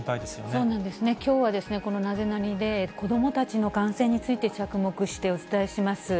そうなんですね、きょうはですね、このナゼナニっ？で子どもたちの感染について着目してお伝えします。